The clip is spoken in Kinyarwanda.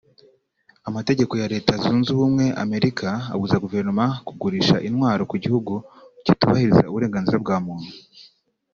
Amategeko ya Leta Zunze Ubumwe America abuza Guverinoma kugurisha intwaro ku gihugu kitubahiriza uburenganzira bwa muntu